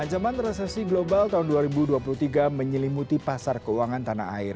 ancaman resesi global tahun dua ribu dua puluh tiga menyelimuti pasar keuangan tanah air